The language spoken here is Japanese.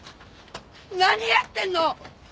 何やってんの！？